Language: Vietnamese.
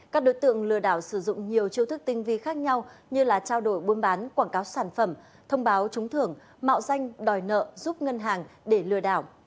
các đối tượng lừa đảo sử dụng nhiều chiêu thức tinh vi khác nhau như trao đổi buôn bán quảng cáo sản phẩm thông báo trúng thưởng mạo danh đòi nợ giúp ngân hàng để lừa đảo